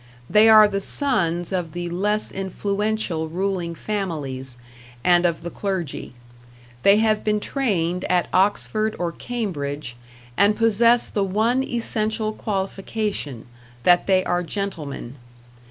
They are the sons of the less influential ruling families, and of the clergy; they have been trained at Oxford or Cambridge, and possess the one essential qualification, that they are gentlemen.